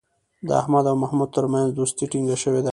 د احمد او محمود ترمنځ دوستي ټینگه شوې ده.